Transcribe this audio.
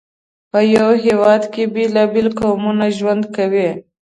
په یو هېواد کې بېلابېل قومونه ژوند کوي.